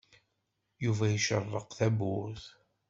Yuba icerreq tawwurt.